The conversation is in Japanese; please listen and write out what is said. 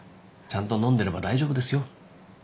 ちゃんと飲んでれば大丈夫ですよ。